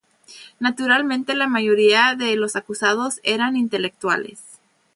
Naturalmente, la mayoría de los acusados eran intelectuales.